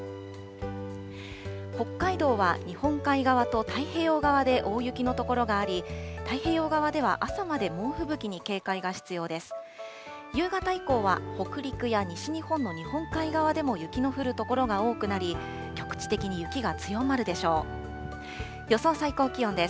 北海道は日本海側と太平洋側で大雪の所があり、太平洋側では朝まで猛吹雪に警戒が必要です。